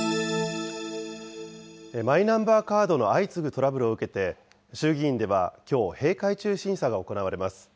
マイナンバーカードの相次ぐトラブルを受けて、衆議院ではきょう、閉会中審査が行われます。